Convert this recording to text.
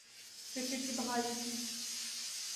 cricket کی بحالی کی